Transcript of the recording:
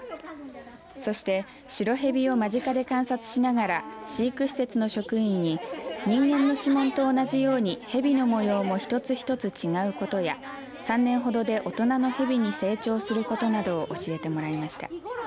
そして、シロヘビを間近で観察しながら飼育施設の職員に人間の指紋と同じように蛇の模様も一つ一つ違うことや３年ほどで大人の蛇に成長することなどを教えてもらいました。